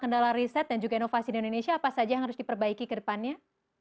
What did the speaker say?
kendala riset dan juga inovasi di indonesia apa saja yang harus diperbaiki ke depannya